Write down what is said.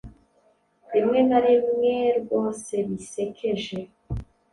Rimwe na rimwerwosebisekeje -